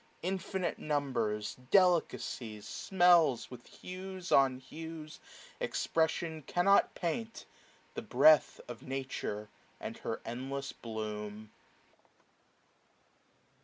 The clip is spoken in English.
Infinite numbers, delicacies, smells, 550 With hues on hues expression cannot paint. The breath of Nature, and her endless bloom.